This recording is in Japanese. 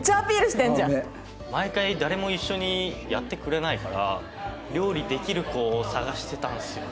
毎回誰も一緒にやってくれないから料理できる子を探してたんですよ。